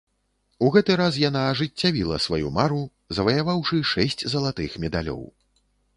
У гэты раз яна ажыццявіла сваю мару, заваяваўшы шэсць залатых медалёў.